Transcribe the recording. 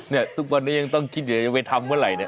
นี่ทุกวันนี้ต้องที่ยังไม่ทำเมื่อไหร่เนี่ย